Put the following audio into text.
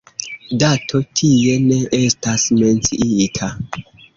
Dato tie ne estas menciita.